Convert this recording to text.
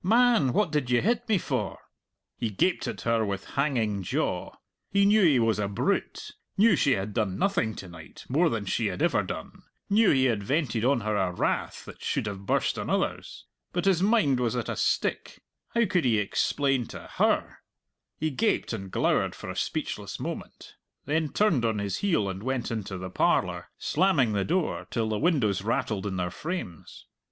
Man, what did you hit me for?" He gaped at her with hanging jaw. He knew he was a brute knew she had done nothing to night more than she had ever done knew he had vented on her a wrath that should have burst on others. But his mind was at a stick; how could he explain to her? He gaped and glowered for a speechless moment, then turned on his heel and went into the parlour, slamming the door till the windows rattled in their frames.